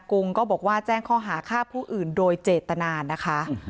กงก็บอกว่าแจ้งข้อหาฆ่าผู้อื่นโดยเจตนานะคะ